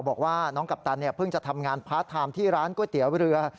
บอกว่าน้องกัปตันเพิ่งจะทำงานพาร์ทไทม์ที่ร้านก๋วยเตี๋ยวเรือ